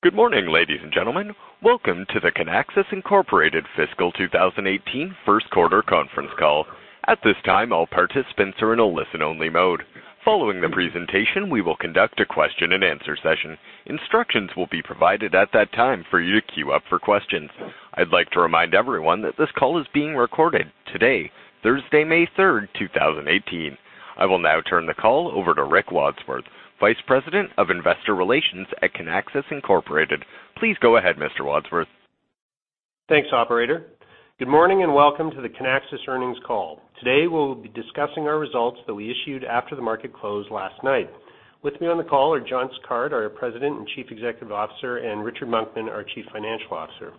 Good morning, ladies and gentlemen. Welcome to the Kinaxis Inc. Fiscal 2018 First Quarter Conference Call. At this time, all participants are in a listen-only mode. Following the presentation, we will conduct a question-and-answer session. Instructions will be provided at that time for you to queue up for questions. I'd like to remind everyone that this call is being recorded today, Thursday, May 3, 2018. I will now turn the call over to Rick Wadsworth, Vice President of Investor Relations at Kinaxis Inc.. Please go ahead, Mr. Wadsworth. Thanks, operator. Good morning, welcome to the Kinaxis earnings call. Today, we'll be discussing our results that we issued after the market closed last night. With me on the call are John Sicard, our President and Chief Executive Officer, and Richard Monkman, our Chief Financial Officer.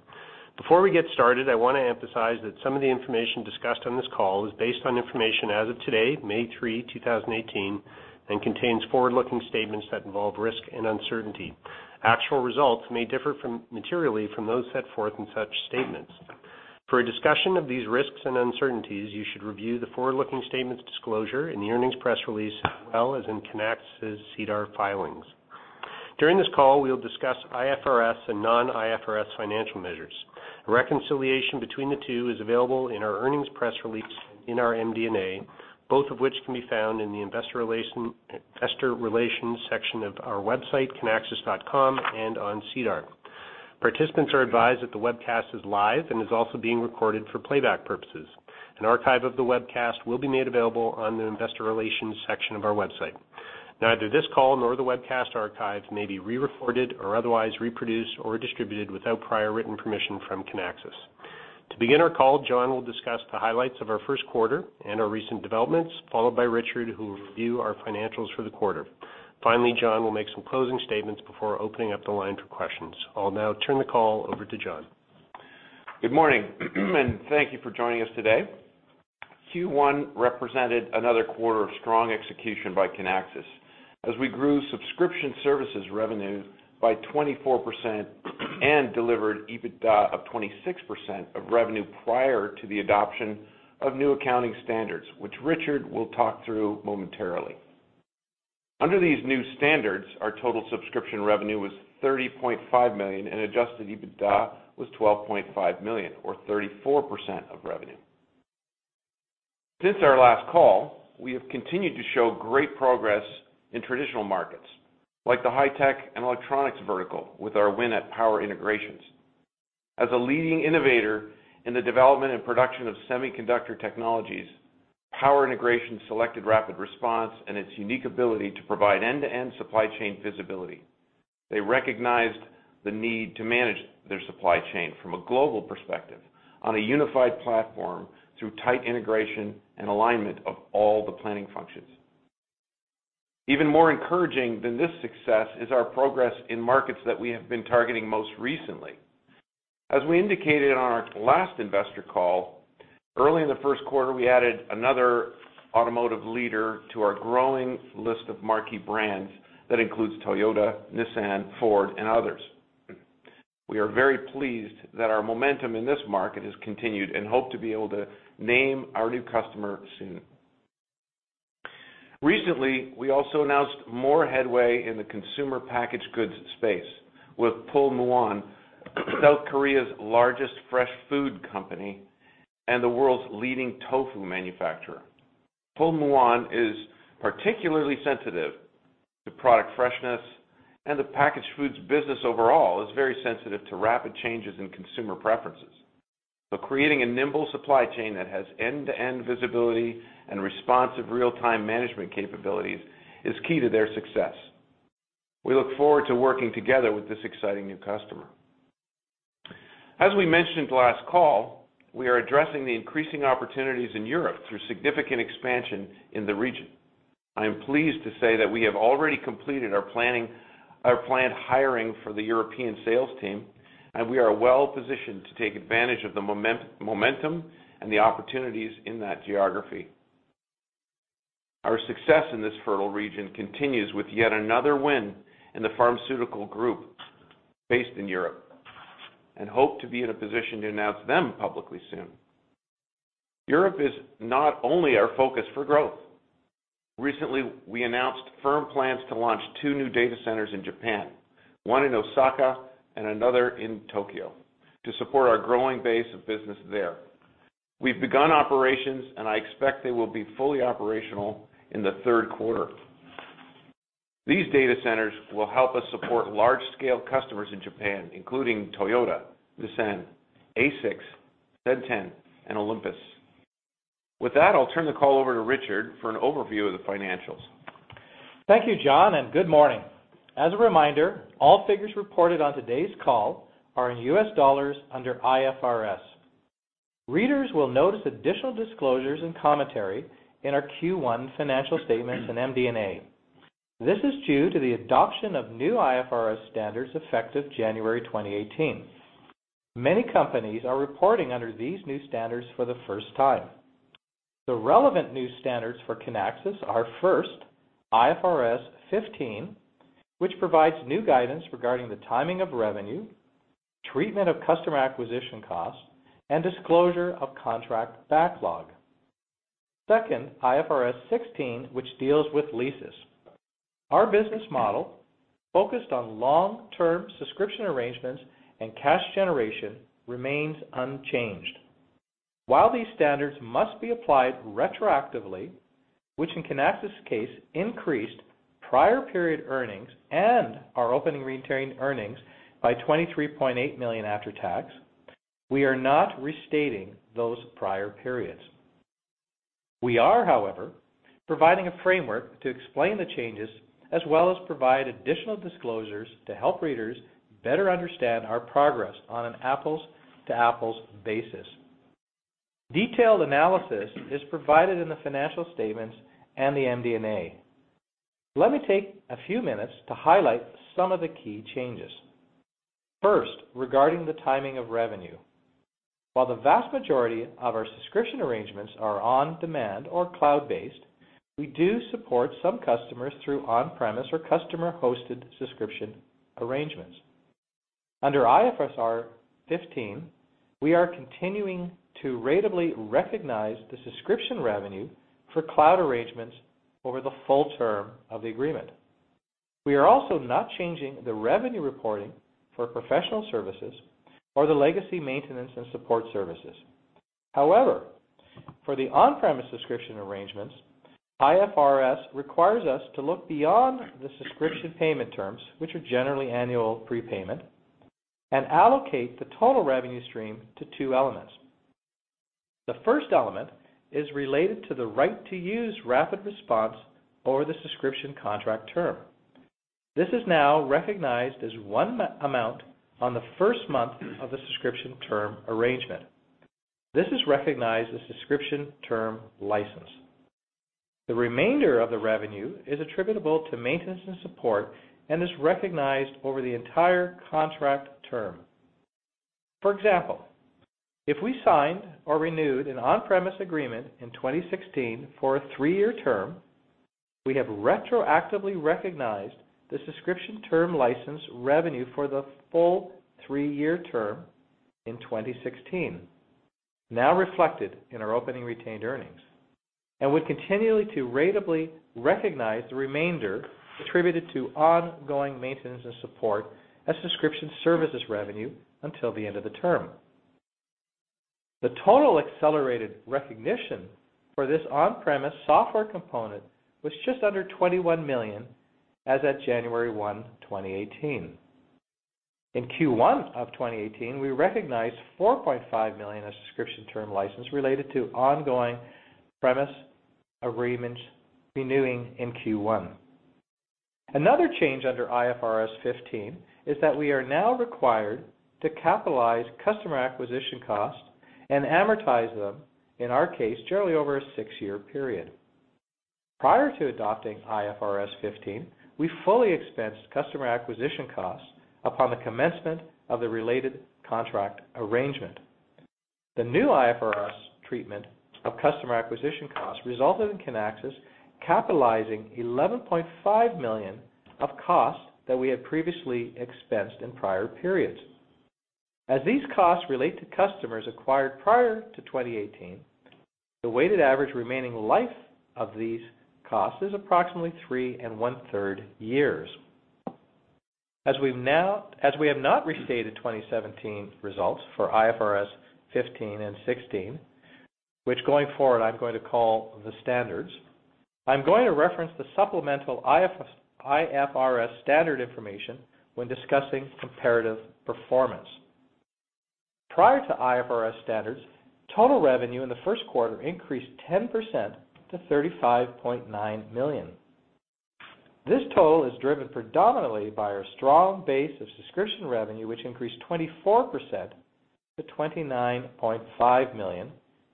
Before we get started, I want to emphasize that some of the information discussed on this call is based on information as of today, May 3, 2018, and contains forward-looking statements that involve risk and uncertainty. Actual results may differ materially from those set forth in such statements. For a discussion of these risks and uncertainties, you should review the forward-looking statements disclosure in the earnings press release, as well as in Kinaxis' SEDAR filings. During this call, we'll discuss IFRS and non-IFRS financial measures. A reconciliation between the two is available in our earnings press release in our MD&A, both of which can be found in the investor relations section of our website, kinaxis.com, and on SEDAR. Participants are advised that the webcast is live and is also being recorded for playback purposes. An archive of the webcast will be made available on the investor relations section of our website. Neither this call nor the webcast archive may be re-recorded or otherwise reproduced or distributed without prior written permission from Kinaxis. To begin our call, John will discuss the highlights of our first quarter and our recent developments, followed by Richard, who will review our financials for the quarter. Finally, John will make some closing statements before opening up the line for questions. I'll now turn the call over to John. Good morning, thank you for joining us today. Q1 represented another quarter of strong execution by Kinaxis, as we grew subscription services revenue by 24% and delivered EBITDA of 26% of revenue prior to the adoption of new accounting standards, which Richard will talk through momentarily. Under these new standards, our total subscription revenue was $30.5 million, and adjusted EBITDA was $12.5 million, or 34% of revenue. Since our last call, we have continued to show great progress in traditional markets, like the high-tech and electronics vertical with our win at Power Integrations. As a leading innovator in the development and production of semiconductor technologies, Power Integrations selected RapidResponse and its unique ability to provide end-to-end supply chain visibility. They recognized the need to manage their supply chain from a global perspective on a unified platform through tight integration and alignment of all the planning functions. Even more encouraging than this success is our progress in markets that we have been targeting most recently. As we indicated on our last investor call, early in the first quarter, we added another automotive leader to our growing list of marquee brands that includes Toyota, Nissan, Ford, and others. We are very pleased that our momentum in this market has continued and hope to be able to name our new customer soon. Recently, we also announced more headway in the consumer packaged goods space with Pulmuone, South Korea's largest fresh food company and the world's leading tofu manufacturer. Pulmuone is particularly sensitive to product freshness, and the packaged foods business overall is very sensitive to rapid changes in consumer preferences. Creating a nimble supply chain that has end-to-end visibility and responsive real-time management capabilities is key to their success. We look forward to working together with this exciting new customer. As we mentioned last call, we are addressing the increasing opportunities in Europe through significant expansion in the region. I am pleased to say that we have already completed our planned hiring for the European sales team, and we are well positioned to take advantage of the momentum and the opportunities in that geography. Our success in this fertile region continues with yet another win in the pharmaceutical group based in Europe, and hope to be in a position to announce them publicly soon. Europe is not only our focus for growth. Recently, we announced firm plans to launch two new data centers in Japan, one in Osaka and another in Tokyo, to support our growing base of business there. We've begun operations, and I expect they will be fully operational in the third quarter. These data centers will help us support large-scale customers in Japan, including Toyota, Nissan, ASICS, [Zentek], and Olympus. With that, I'll turn the call over to Richard for an overview of the financials. Thank you, John, and good morning. As a reminder, all figures reported on today's call are in US dollars under IFRS. Readers will notice additional disclosures and commentary in our Q1 financial statements and MD&A. This is due to the adoption of new IFRS standards effective January 2018. Many companies are reporting under these new standards for the first time. The relevant new standards for Kinaxis are, first, IFRS 15, which provides new guidance regarding the timing of revenue, treatment of customer acquisition costs, and disclosure of contract backlog Second, IFRS 16, which deals with leases. Our business model, focused on long-term subscription arrangements and cash generation, remains unchanged. While these standards must be applied retroactively, which in Kinaxis case increased prior period earnings and our opening retained earnings by $23.8 million after tax, we are not restating those prior periods. We are, however, providing a framework to explain the changes as well as provide additional disclosures to help readers better understand our progress on an apples-to-apples basis. Detailed analysis is provided in the financial statements and the MD&A. Let me take a few minutes to highlight some of the key changes. First, regarding the timing of revenue. While the vast majority of our subscription arrangements are on-demand or cloud-based, we do support some customers through on-premise or customer-hosted subscription arrangements. Under IFRS 15, we are continuing to ratably recognize the subscription revenue for cloud arrangements over the full term of the agreement. We are also not changing the revenue reporting for professional services or the legacy maintenance and support services. For the on-premise subscription arrangements, IFRS requires us to look beyond the subscription payment terms, which are generally annual prepayment, and allocate the total revenue stream to two elements. The first element is related to the right-to-use RapidResponse over the subscription contract term. This is now recognized as one amount on the first month of the subscription term arrangement. This is recognized as subscription term license. The remainder of the revenue is attributable to maintenance and support and is recognized over the entire contract term. If we signed or renewed an on-premise agreement in 2016 for a three-year term, we have retroactively recognized the subscription term license revenue for the full three-year term in 2016, now reflected in our opening retained earnings, and we continually to ratably recognize the remainder attributed to ongoing maintenance and support as subscription services revenue until the end of the term. The total accelerated recognition for this on-premise software component was just under $21 million as at January 1, 2018. In Q1 of 2018, we recognized $4.5 million of subscription term license related to ongoing premise agreements renewing in Q1. Another change under IFRS 15 is that we are now required to capitalize customer acquisition costs and amortize them, in our case, generally over a six-year period. Prior to adopting IFRS 15, we fully expensed customer acquisition costs upon the commencement of the related contract arrangement. The new IFRS treatment of customer acquisition costs resulted in Kinaxis capitalizing $11.5 million of costs that we had previously expensed in prior periods. These costs relate to customers acquired prior to 2018, the weighted average remaining life of these costs is approximately three and one-third years. We have not restated 2017 results for IFRS 15 and 16, which going forward I'm going to call the standards, I'm going to reference the supplemental IFRS standard information when discussing comparative performance. Prior to IFRS standards, total revenue in the first quarter increased 10% to $35.9 million. This total is driven predominantly by our strong base of subscription revenue, which increased 24% to $29.5 million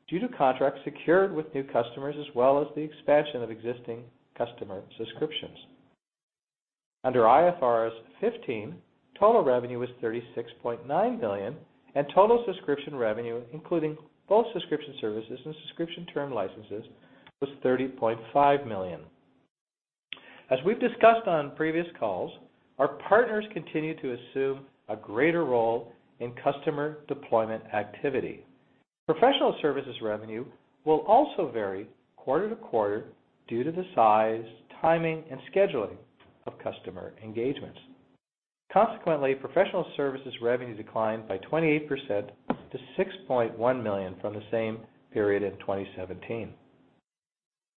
due to contracts secured with new customers, as well as the expansion of existing customer subscriptions. Under IFRS 15, total revenue was $36.9 million, and total subscription revenue, including both subscription services and subscription term licenses, was $30.5 million. As we've discussed on previous calls, our partners continue to assume a greater role in customer deployment activity. Professional services revenue will also vary quarter-to-quarter due to the size, timing, and scheduling of customer engagements. Consequently, professional services revenue declined by 28% to $6.1 million from the same period in 2017.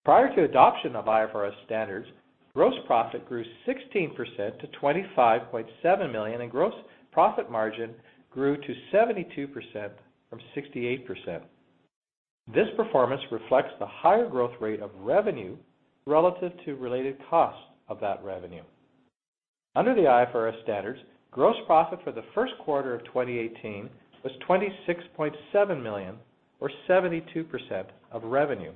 Prior to adoption of IFRS standards, gross profit grew 16% to $25.7 million, and gross profit margin grew to 72% from 68%. This performance reflects the higher growth rate of revenue relative to related costs of that revenue. Under the IFRS standards, gross profit for the first quarter of 2018 was $26.7 million or 72% of revenue.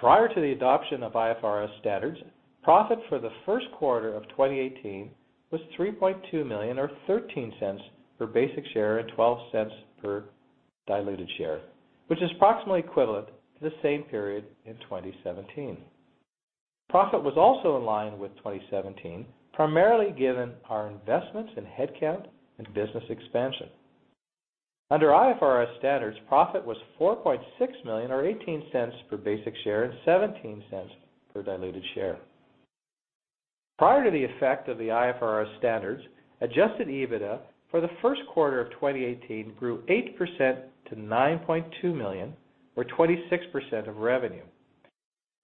Prior to the adoption of IFRS standards, profit for the first quarter of 2018 was $3.2 million, or $0.13 per basic share and $0.12 per diluted share, which is approximately equivalent to the same period in 2017. Profit was also in line with 2017, primarily given our investments in headcount and business expansion. Under IFRS standards, profit was $4.6 million, or $0.18 per basic share, and $0.17 per diluted share. Prior to the effect of the IFRS standards, adjusted EBITDA for the first quarter of 2018 grew 8% to $9.2 million, or 26% of revenue.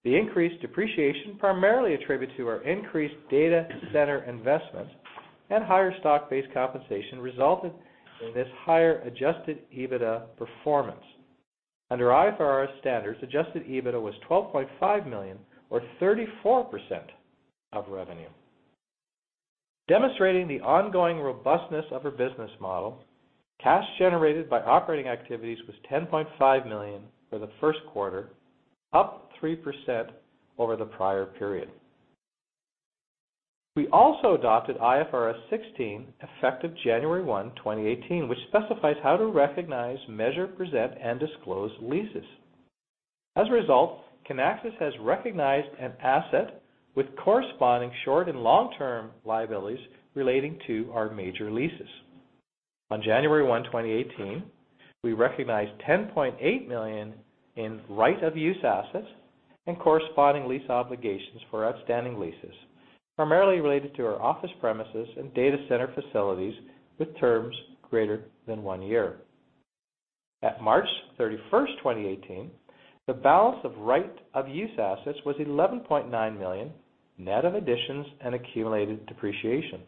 The increased depreciation, primarily attributed to our increased data center investments and higher stock-based compensation, resulted in this higher adjusted EBITDA performance. Under IFRS standards, adjusted EBITDA was $12.5 million, or 34% of revenue. Demonstrating the ongoing robustness of our business model, cash generated by operating activities was $10.5 million for the first quarter, up 3% over the prior period. We also adopted IFRS 16 effective January 1, 2018, which specifies how to recognize, measure, present, and disclose leases. As a result, Kinaxis has recognized an asset with corresponding short and long-term liabilities relating to our major leases. On January 1, 2018, we recognized $10.8 million in right-of-use assets and corresponding lease obligations for outstanding leases, primarily related to our office premises and data center facilities with terms greater than one year. At March 31st, 2018, the balance of right-of-use assets was $11.9 million, net of additions and accumulated depreciation.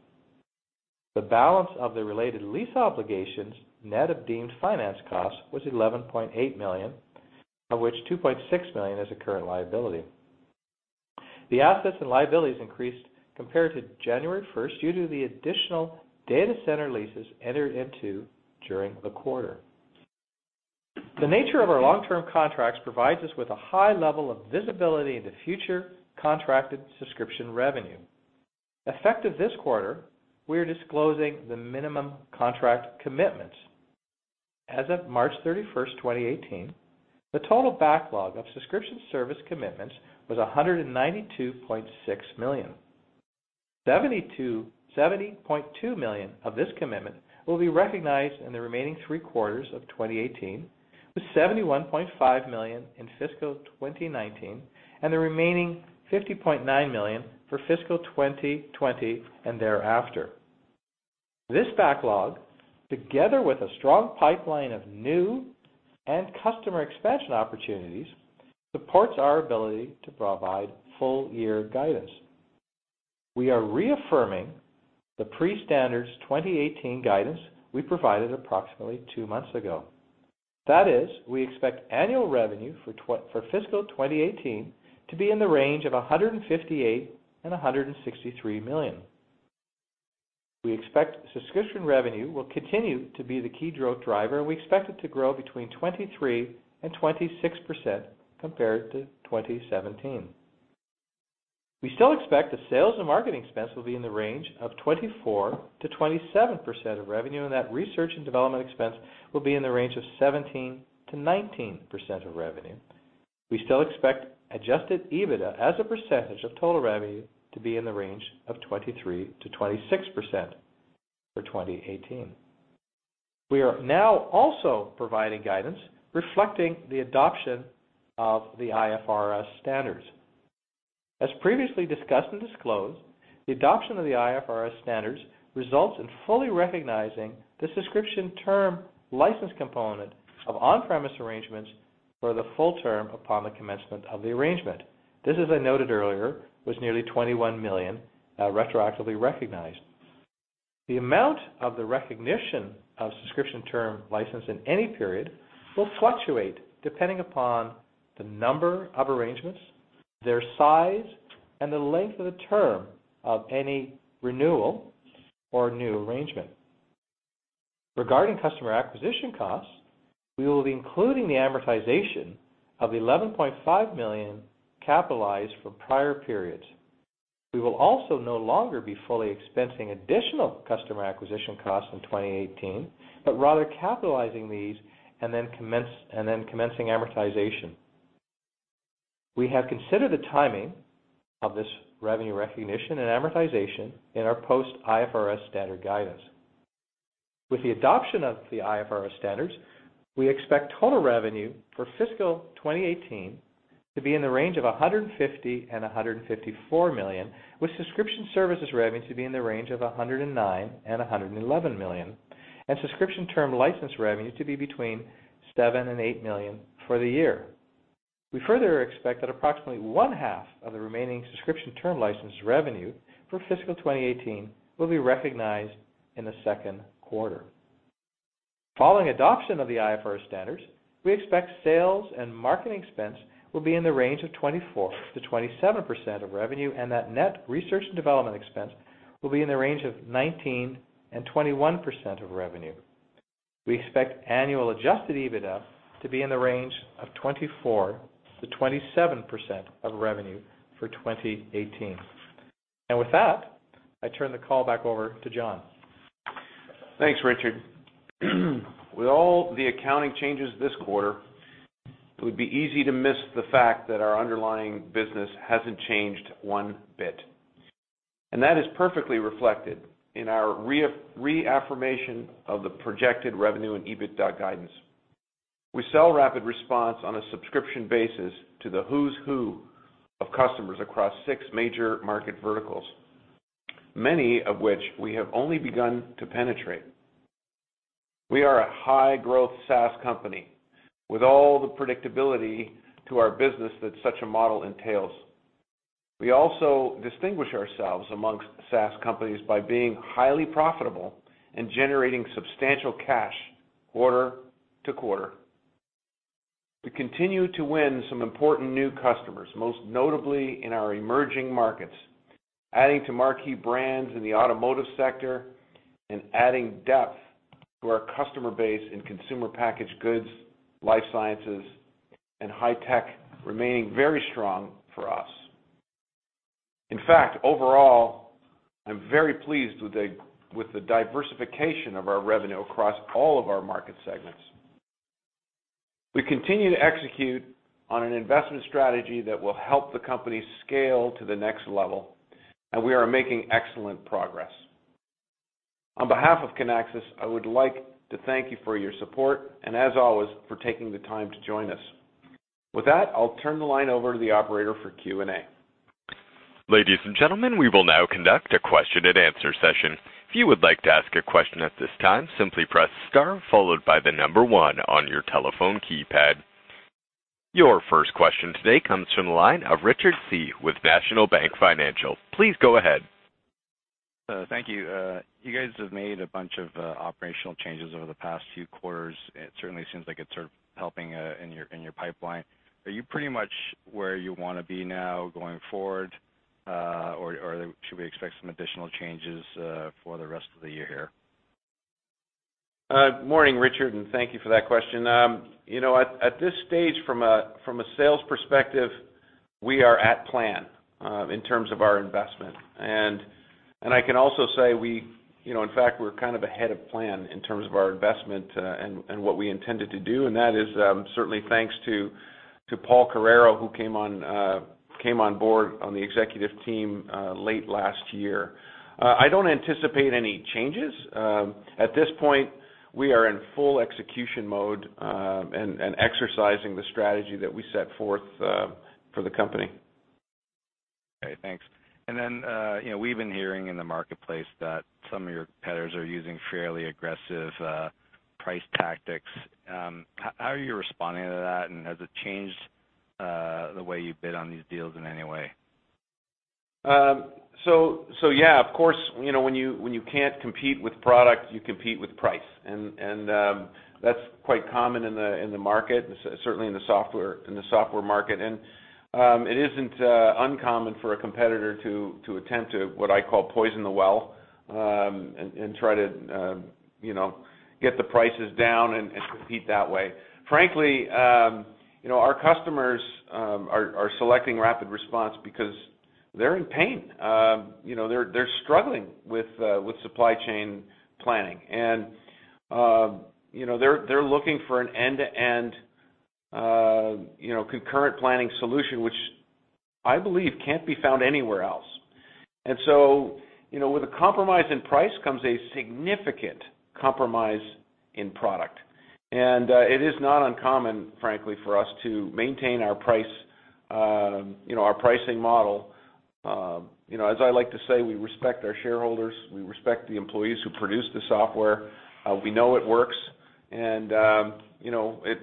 The balance of the related lease obligations, net of deemed finance costs, was $11.8 million, of which $2.6 million is a current liability. The assets and liabilities increased compared to January 1st due to the additional data center leases entered into during the quarter. The nature of our long-term contracts provides us with a high level of visibility into future contracted subscription revenue. Effective this quarter, we are disclosing the minimum contract commitments. As of March 31st, 2018, the total backlog of subscription service commitments was $192.6 million. $70.2 million of this commitment will be recognized in the remaining three quarters of 2018, with $71.5 million in fiscal 2019, and the remaining $50.9 million for fiscal 2020 and thereafter. This backlog, together with a strong pipeline of new and customer expansion opportunities, supports our ability to provide full-year guidance. We are reaffirming the pre-standards 2018 guidance we provided approximately two months ago. That is, we expect annual revenue for fiscal 2018 to be in the range of $158 million-$163 million. We expect subscription revenue will continue to be the key growth driver, and we expect it to grow between 23% and 26% compared to 2017. We still expect the sales and marketing expense will be in the range of 24%-27% of revenue, and that research and development expense will be in the range of 17%-19% of revenue. We still expect adjusted EBITDA as a percentage of total revenue to be in the range of 23%-26% for 2018. We are now also providing guidance reflecting the adoption of the IFRS standards. As previously discussed and disclosed, the adoption of the IFRS standards results in fully recognizing the subscription term license component of on-premise arrangements for the full term upon the commencement of the arrangement. This, as I noted earlier, was nearly $21 million retroactively recognized. The amount of the recognition of subscription term license in any period will fluctuate depending upon the number of arrangements, their size, and the length of the term of any renewal or new arrangement. Regarding customer acquisition costs, we will be including the amortization of $11.5 million capitalized from prior periods. We will also no longer be fully expensing additional customer acquisition costs in 2018, but rather capitalizing these and then commencing amortization. We have considered the timing of this revenue recognition and amortization in our post-IFRS standard guidance. With the adoption of the IFRS standards, we expect total revenue for fiscal 2018 to be in the range of $150 million and $154 million, with subscription services revenue to be in the range of $109 million and $111 million, and subscription term license revenue to be between $7 million and $8 million for the year. We further expect that approximately one half of the remaining subscription term license revenue for fiscal 2018 will be recognized in the second quarter. Following adoption of the IFRS standards, we expect sales and marketing expense will be in the range of 24%-27% of revenue, and that net research and development expense will be in the range of 19% and 21% of revenue. We expect annual adjusted EBITDA to be in the range of 24%-27% of revenue for 2018. With that, I turn the call back over to John. Thanks, Richard. With all the accounting changes this quarter, it would be easy to miss the fact that our underlying business hasn't changed one bit. That is perfectly reflected in our reaffirmation of the projected revenue and EBITDA guidance. We sell RapidResponse on a subscription basis to the who's who of customers across six major market verticals, many of which we have only begun to penetrate. We are a high-growth SaaS company with all the predictability to our business that such a model entails. We also distinguish ourselves amongst SaaS companies by being highly profitable and generating substantial cash quarter to quarter. We continue to win some important new customers, most notably in our emerging markets, adding to marquee brands in the automotive sector and adding depth to our customer base in consumer packaged goods, life sciences, and high tech, remaining very strong for us. In fact, overall, I'm very pleased with the diversification of our revenue across all of our market segments. We continue to execute on an investment strategy that will help the company scale to the next level, and we are making excellent progress. On behalf of Kinaxis, I would like to thank you for your support, and as always, for taking the time to join us. With that, I'll turn the line over to the operator for Q&A. Ladies and gentlemen, we will now conduct a question and answer session. If you would like to ask a question at this time, simply press star followed by the number one on your telephone keypad. Your first question today comes from the line of Richard Tse with National Bank Financial. Please go ahead. Thank you. You guys have made a bunch of operational changes over the past few quarters. It certainly seems like it's sort of helping in your pipeline. Are you pretty much where you want to be now going forward? Should we expect some additional changes for the rest of the year here? Morning, Richard, and thank you for that question. At this stage, from a sales perspective, we are at plan in terms of our investment. I can also say we, in fact, we're kind of ahead of plan in terms of our investment and what we intended to do. That is certainly thanks to Paul Carreiro, who came on board on the executive team late last year. I don't anticipate any changes. At this point, we are in full execution mode, exercising the strategy that we set forth for the company. Okay, thanks. We've been hearing in the marketplace that some of your competitors are using fairly aggressive price tactics. How are you responding to that, and has it changed the way you bid on these deals in any way? Of course, when you can't compete with product, you compete with price. That's quite common in the market, certainly in the software market. It isn't uncommon for a competitor to attempt to, what I call, poison the well, and try to get the prices down and compete that way. Frankly, our customers are selecting RapidResponse because they're in pain. They're struggling with supply chain planning. They're looking for an end-to-end concurrent planning solution, which I believe can't be found anywhere else. With a compromise in price comes a significant compromise in product. It is not uncommon, frankly, for us to maintain our pricing model. As I like to say, we respect our shareholders, we respect the employees who produce the software. We know it works, and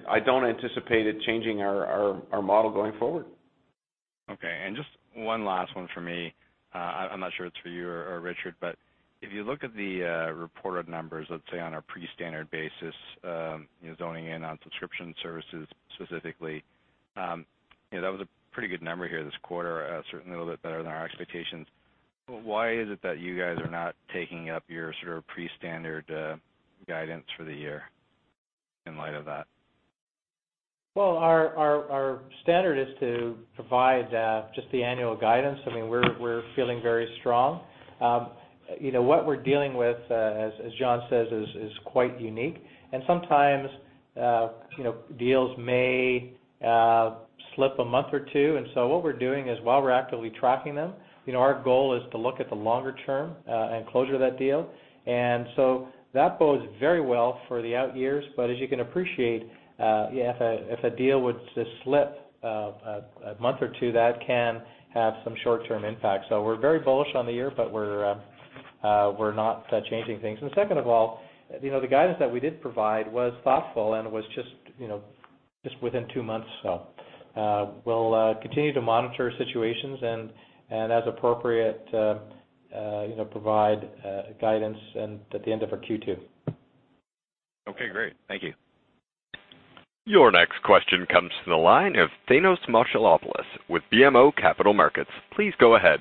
I don't anticipate it changing our model going forward. Okay, just one last one for me. I'm not sure it's for you or Richard, if you look at the reported numbers, let's say, on a pre-standard basis, zoning in on subscription services specifically, that was a pretty good number here this quarter, certainly a little bit better than our expectations. Why is it that you guys are not taking up your sort of pre-standard guidance for the year in light of that? Well, our standard is to provide just the annual guidance. I mean, we're feeling very strong. What we're dealing with, as John says, is quite unique. Sometimes deals may slip a month or two. What we're doing is while we're actively tracking them, our goal is to look at the longer term and closure of that deal. That bodes very well for the out years. As you can appreciate, if a deal were to slip a month or two, that can have some short-term impact. We're very bullish on the year, we're not changing things. Second of all, the guidance that we did provide was thoughtful and was just within two months. We'll continue to monitor situations and as appropriate, provide guidance at the end of our Q2. Okay, great. Thank you. Your next question comes from the line of Thanos Moschopoulos with BMO Capital Markets. Please go ahead.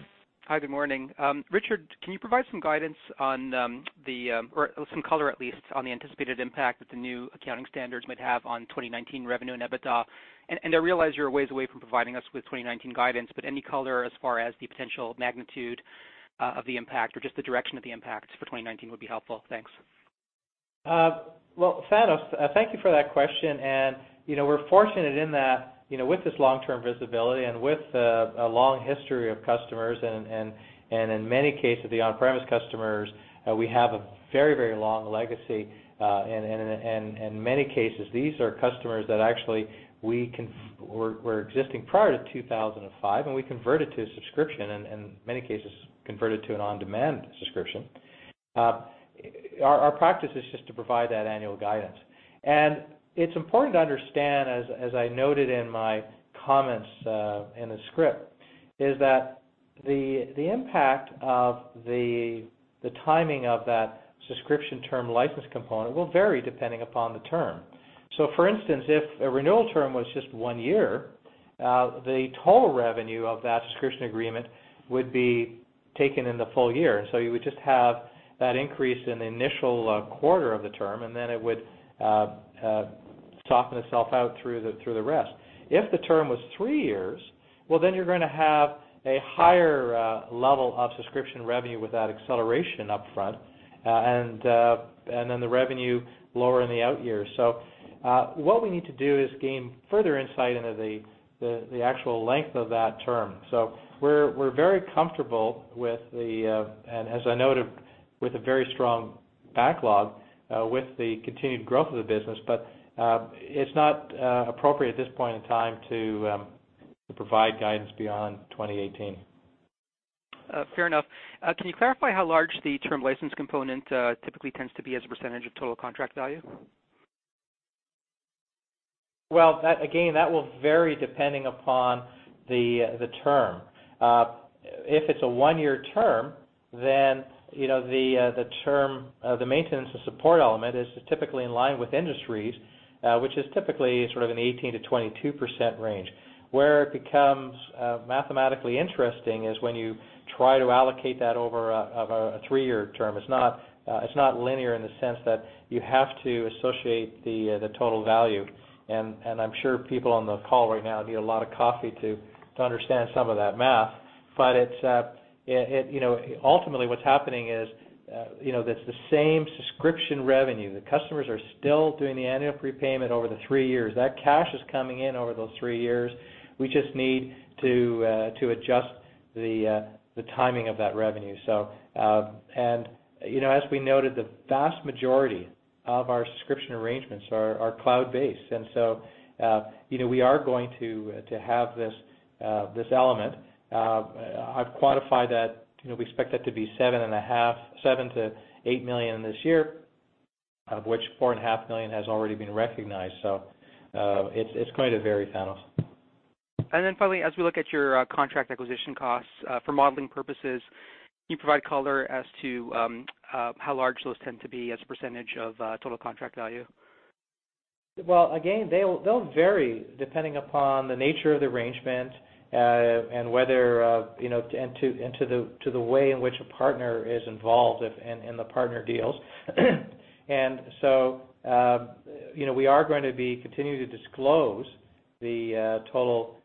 Hi, good morning. Richard, can you provide some guidance on the or some color at least on the anticipated impact that the new accounting standards might have on 2019 revenue and EBITDA? I realize you're a ways away from providing us with 2019 guidance, but any color as far as the potential magnitude of the impact or just the direction of the impact for 2019 would be helpful. Thanks. Well, Thanos, thank you for that question. We're fortunate in that with this long-term visibility and with a long history of customers, and in many cases, the on-premise customers, we have a very long legacy. In many cases, these are customers that actually were existing prior to 2005, and we converted to a subscription, and in many cases, converted to an on-demand subscription. Our practice is just to provide that annual guidance. It's important to understand, as I noted in my comments in the script, is that the impact of the timing of that subscription term license component will vary depending upon the term. So for instance, if a renewal term was just one year, the total revenue of that subscription agreement would be taken in the full year. You would just have that increase in the initial quarter of the term, and then it would soften itself out through the rest. If the term was 3 years, well, then you're going to have a higher level of subscription revenue with that acceleration upfront, and then the revenue lower in the out years. What we need to do is gain further insight into the actual length of that term. We're very comfortable with the, as I noted, with a very strong backlog, with the continued growth of the business, but it's not appropriate at this point in time to provide guidance beyond 2018. Fair enough. Can you clarify how large the term license component typically tends to be as a percentage of total contract value? Again, that will vary depending upon the term. If it's a 1-year term, then the maintenance and support element is typically in line with industries, which is typically sort of an 18%-22% range. Where it becomes mathematically interesting is when you try to allocate that over a 3-year term. It's not linear in the sense that you have to associate the total value. I'm sure people on the call right now need a lot of coffee to understand some of that math. Ultimately, what's happening is that it's the same subscription revenue. The customers are still doing the annual prepayment over the 3 years. That cash is coming in over those 3 years. We just need to adjust the timing of that revenue. As we noted, the vast majority of our subscription arrangements are cloud-based. We are going to have this element. I've quantified that. We expect that to be $7 million-$8 million this year, of which $4.5 million has already been recognized. It's going to vary, Thanos. Finally, as we look at your contract acquisition costs for modeling purposes, can you provide color as to how large those tend to be as a % of total contract value? Well, again, they'll vary depending upon the nature of the arrangement, to the way in which a partner is involved in the partner deals. We are going to be continuing to disclose the total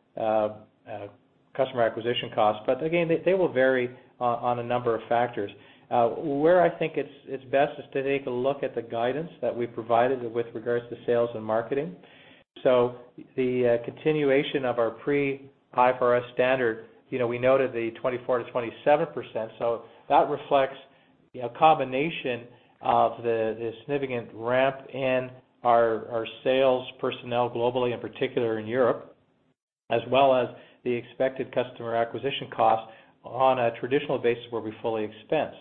customer acquisition cost. Again, they will vary on a number of factors. Where I think it's best is to take a look at the guidance that we provided with regards to sales and marketing. The continuation of our pre-IFRS standard, we noted the 24%-27%, so that reflects a combination of the significant ramp in our sales personnel globally, in particular in Europe, as well as the expected customer acquisition cost on a traditional basis where we fully expense.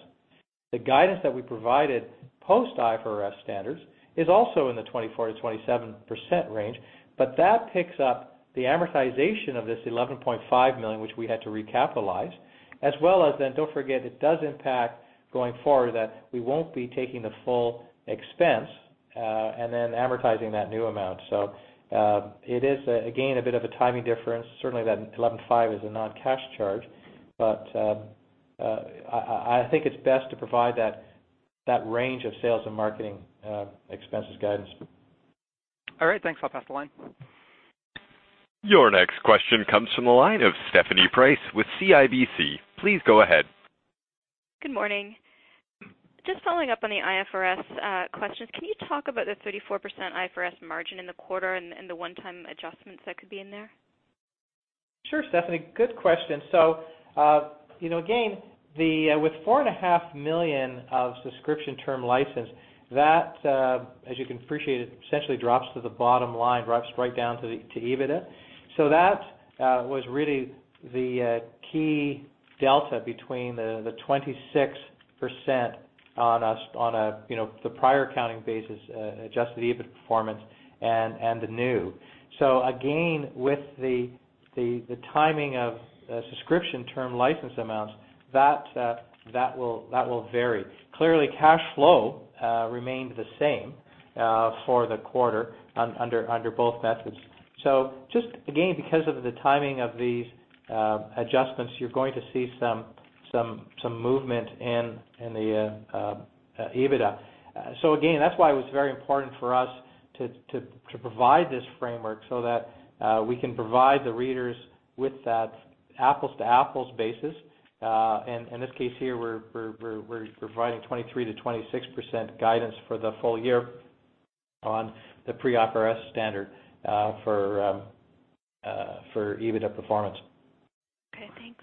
The guidance that we provided post-IFRS standards is also in the 24%-27% range, that picks up the amortization of this $11.5 million, which we had to recapitalize, as well as, don't forget, it does impact going forward that we won't be taking the full expense, amortizing that new amount. It is, again, a bit of a timing difference. Certainly, that $11.5 is a non-cash charge, I think it's best to provide that range of sales and marketing expenses guidance. All right, thanks. I'll pass the line. Your next question comes from the line of Stephanie Price with CIBC. Please go ahead. Good morning. Just following up on the IFRS questions. Can you talk about the 34% IFRS margin in the quarter and the one-time adjustments that could be in there? Sure, Stephanie. Good question. Again, with $4.5 million of subscription term license, that, as you can appreciate, it essentially drops to the bottom line, drops right down to EBITDA. That was really the key delta between the 26% on the prior accounting basis, adjusted EBIT performance and the new. Again, with the timing of subscription term license amounts, that will vary. Clearly, cash flow remained the same for the quarter under both methods. Just again, because of the timing of these adjustments, you're going to see some movement in the EBITDA. Again, that's why it was very important for us to provide this framework so that we can provide the readers with that apples-to-apples basis. In this case here, we're providing 23%-26% guidance for the full year. On the pre-IFRS standard for EBITDA performance. Okay, thanks.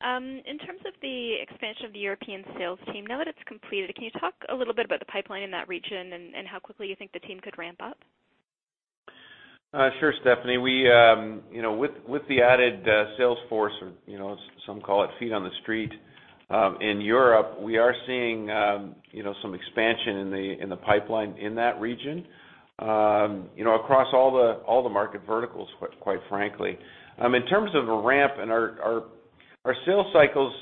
In terms of the expansion of the European sales team, now that it's completed, can you talk a little bit about the pipeline in that region and how quickly you think the team could ramp up? Sure, Stephanie. With the added sales force, or some call it feet on the street, in Europe, we are seeing some expansion in the pipeline in that region, across all the market verticals, quite frankly. In terms of a ramp and our sales cycles,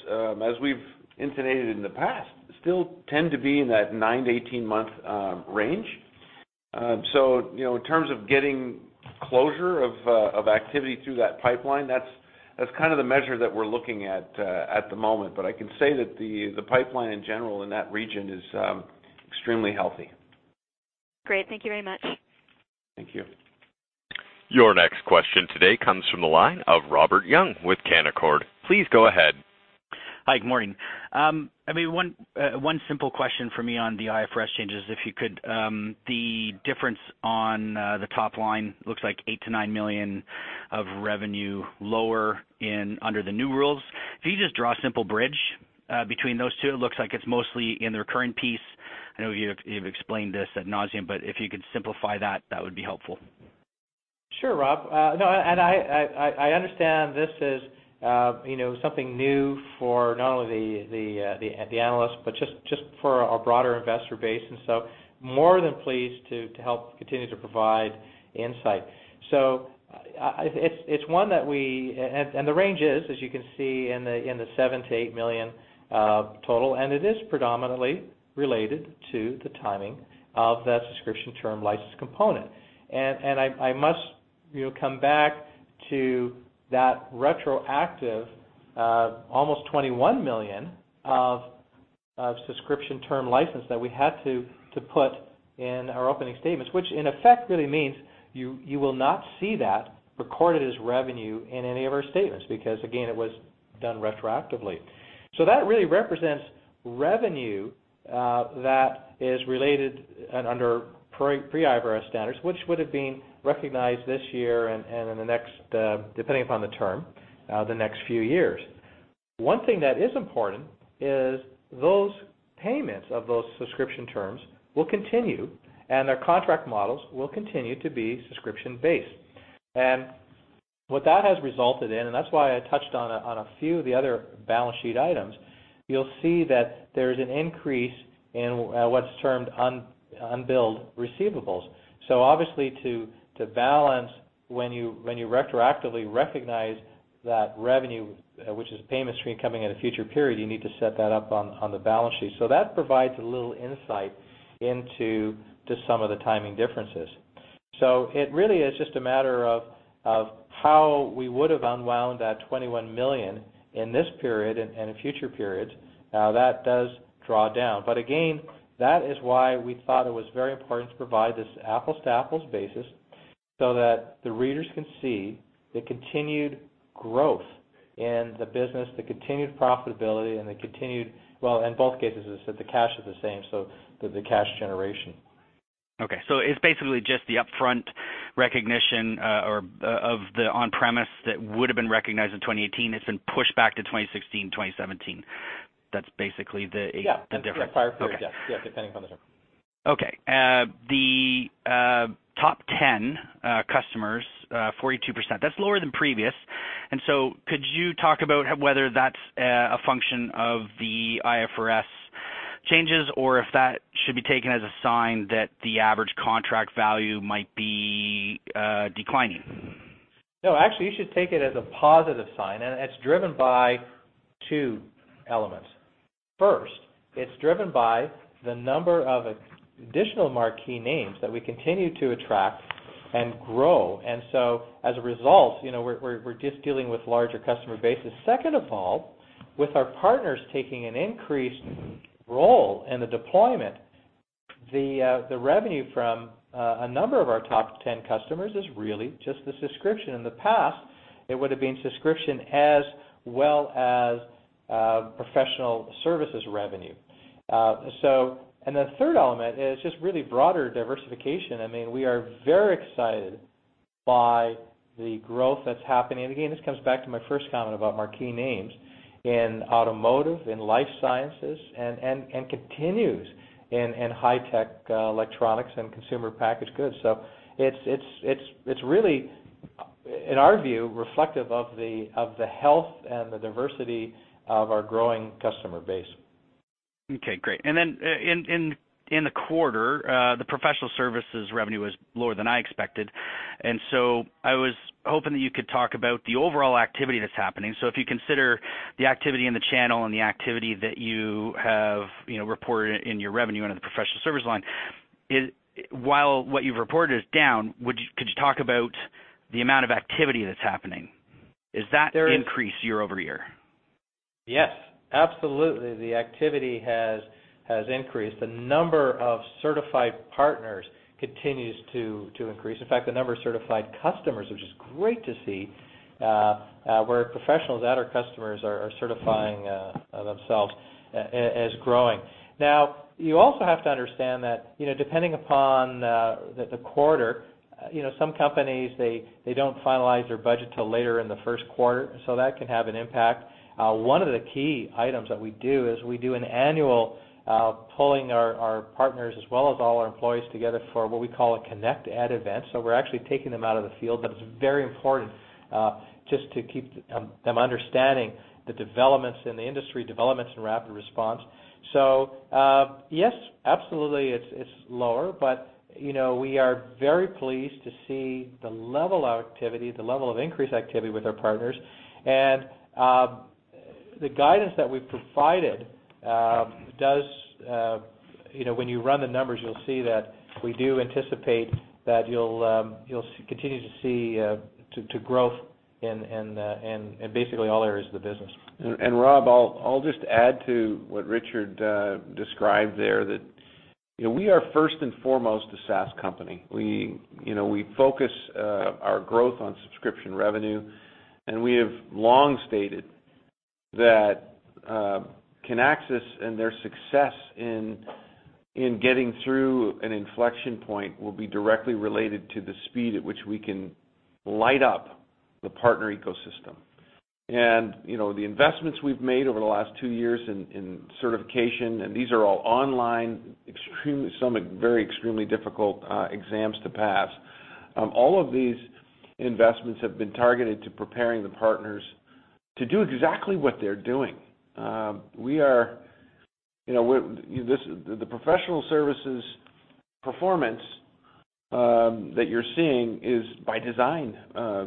as we've intonated in the past, still tend to be in that 9 to 18-month range. In terms of getting closure of activity through that pipeline, that's kind of the measure that we're looking at at the moment. I can say that the pipeline in general in that region is extremely healthy. Great. Thank you very much. Thank you. Your next question today comes from the line of Robert Young with Canaccord. Please go ahead. Hi, good morning. One simple question from me on the IFRS changes, if you could. The difference on the top line looks like $8 million-$9 million of revenue lower under the new rules. Can you just draw a simple bridge between those two? It looks like it's mostly in the recurring piece. I know you've explained this at nauseam, but if you could simplify that would be helpful. Sure, Rob. I understand this is something new for not only the analysts, but just for our broader investor base, more than pleased to help continue to provide insight. The range is, as you can see, in the $7 million-$8 million total, and it is predominantly related to the timing of that subscription term license component. I must come back to that retroactive almost $21 million of subscription term license that we had to put in our opening statements, which in effect really means you will not see that recorded as revenue in any of our statements, because again, it was done retroactively. That really represents revenue that is related and under pre-IFRS standards, which would've been recognized this year and in the next, depending upon the term, the next few years. One thing that is important is those payments of those subscription terms will continue, and their contract models will continue to be subscription-based. What that has resulted in, and that's why I touched on a few of the other balance sheet items, you'll see that there's an increase in what's termed unbilled receivables. Obviously, to balance when you retroactively recognize that revenue, which is a payment stream coming at a future period, you need to set that up on the balance sheet. That provides a little insight into some of the timing differences. It really is just a matter of how we would've unwound that $21 million in this period and in future periods. Now, that does draw down. Again, that is why we thought it was very important to provide this apples-to-apples basis so that the readers can see the continued growth in the business, the continued profitability and the cash generation. Okay. It's basically just the upfront recognition of the on-premise that would've been recognized in 2018. It's been pushed back to 2016, 2017. That's basically the- Yeah the difference. That's correct. Prior period. Okay. Yes. Depending upon the term. Okay. The top 10 customers, 42%. That's lower than previous. Could you talk about whether that's a function of the IFRS changes or if that should be taken as a sign that the average contract value might be declining? No, actually you should take it as a positive sign. It's driven by two elements. First, it's driven by the number of additional marquee names that we continue to attract and grow. As a result, we're just dealing with larger customer bases. Second of all, with our partners taking an increased role in the deployment, the revenue from a number of our top 10 customers is really just the subscription. In the past, it would've been subscription as well as professional services revenue. The third element is just really broader diversification. We are very excited by the growth that's happening. Again, this comes back to my first comment about marquee names in automotive, in life sciences, and continues in high-tech electronics and consumer packaged goods. It's really, in our view, reflective of the health and the diversity of our growing customer base. Okay, great. Then in the quarter, the professional services revenue was lower than I expected. I was hoping that you could talk about the overall activity that's happening. If you consider the activity in the channel and the activity that you have reported in your revenue under the professional services line, while what you've reported is down, could you talk about the amount of activity that's happening? Is that increased year-over-year? Yes, absolutely. The activity has increased. The number of certified partners continues to increase. In fact, the number of certified customers, which is great to see where professionals and our customers are certifying themselves as growing. You also have to understand that depending upon the quarter, some companies, they don't finalize their budget till later in the first quarter. That can have an impact. One of the key items that we do is we do an annual pulling our partners as well as all our employees together for what we call a Connect@Event. We're actually taking them out of the field, but it's very important just to keep them understanding the developments in the industry, developments in RapidResponse. Yes, absolutely it's lower, but we are very pleased to see the level of increased activity with our partners. The guidance that we've provided, when you run the numbers, you'll see that we do anticipate that you'll continue to growth in basically all areas of the business. Rob, I'll just add to what Richard described there, that we are first and foremost a SaaS company. We focus our growth on subscription revenue, and we have long stated that Kinaxis and their success in getting through an inflection point will be directly related to the speed at which we can light up the partner ecosystem. The investments we've made over the last two years in certification, and these are all online, some very extremely difficult exams to pass. All of these investments have been targeted to preparing the partners to do exactly what they're doing. The professional services performance that you're seeing is by design,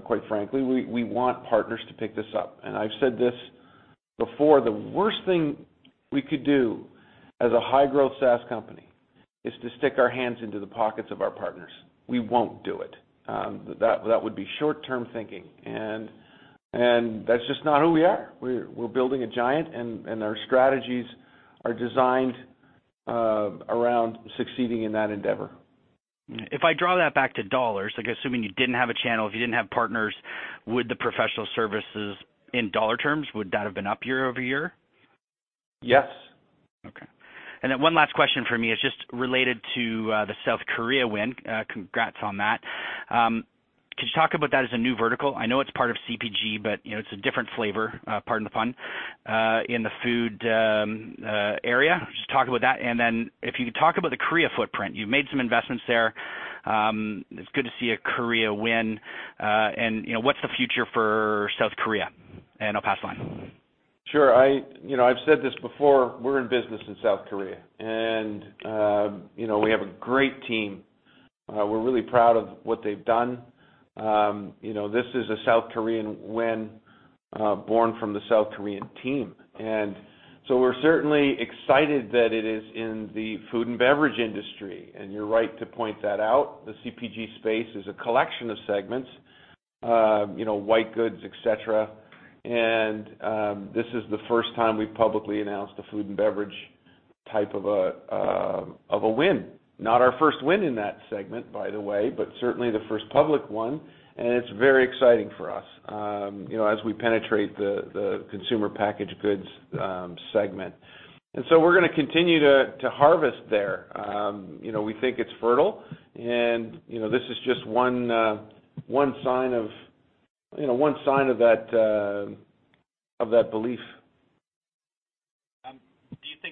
quite frankly. We want partners to pick this up. I've said this before, the worst thing we could do as a high-growth SaaS company is to stick our hands into the pockets of our partners. We won't do it. That would be short-term thinking, and that's just not who we are. We're building a giant, and our strategies are designed around succeeding in that endeavor. If I draw that back to dollars, like assuming you didn't have a channel, if you didn't have partners, would the professional services, in dollar terms, would that have been up year-over-year? Yes. One last question from me is just related to the South Korea win. Congrats on that. Could you talk about that as a new vertical? I know it's part of CPG, but it's a different flavor, pardon the pun, in the food area. Talk about that, then if you could talk about the Korea footprint. You've made some investments there. It's good to see a Korea win. What's the future for South Korea? I'll pass the line. Sure. I've said this before, we're in business in South Korea, and we have a great team. We're really proud of what they've done. This is a South Korean win, born from the South Korean team. We're certainly excited that it is in the food and beverage industry, and you're right to point that out. The CPG space is a collection of segments, white goods, et cetera. This is the first time we've publicly announced a food and beverage type of a win. Not our first win in that segment, by the way, but certainly the first public one, and it's very exciting for us, as we penetrate the consumer packaged goods segment. We're going to continue to harvest there. We think it's fertile and this is just one sign of that belief.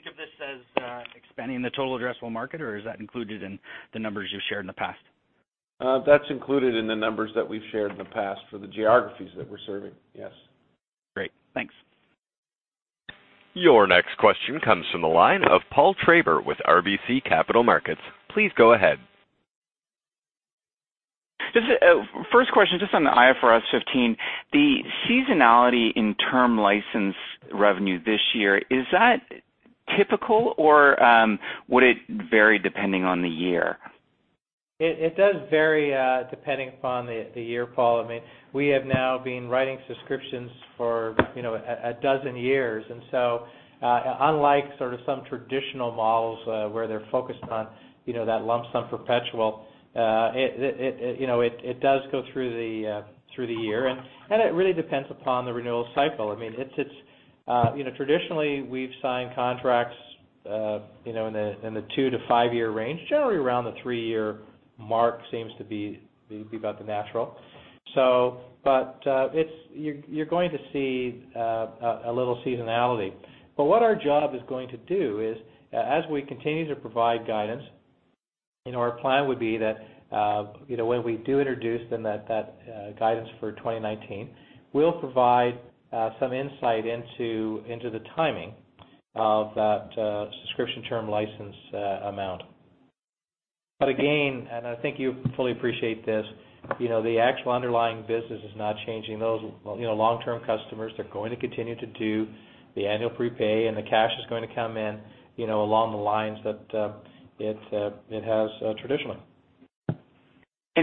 Do you think of this as expanding the total addressable market, or is that included in the numbers you've shared in the past? That's included in the numbers that we've shared in the past for the geographies that we're serving. Yes. Great. Thanks. Your next question comes from the line of Paul Treiber with RBC Capital Markets. Please go ahead. First question, just on the IFRS 15, the seasonality in term license revenue this year, is that typical or would it vary depending on the year? It does vary depending upon the year, Paul. We have now been writing subscriptions for a dozen years. Unlike sort of some traditional models where they're focused on that lump sum perpetual, it does go through the year, and it really depends upon the renewal cycle. Traditionally, we've signed contracts in the two to five-year range, generally around the three-year mark seems to be about the natural. You're going to see a little seasonality. What our job is going to do is, as we continue to provide guidance, our plan would be that when we do introduce that guidance for 2019, we'll provide some insight into the timing of that subscription term license amount. Again, and I think you fully appreciate this, the actual underlying business is not changing. Those long-term customers, they're going to continue to do the annual prepay, and the cash is going to come in along the lines that it has traditionally.